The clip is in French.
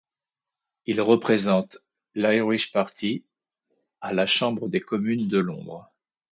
Il représente l'Irish Party à la chambre des Communes de Londres.